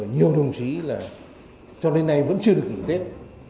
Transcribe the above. nhiều đồng chí trong đây này vẫn chưa được nghỉ tết